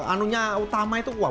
anunya utama itu kuah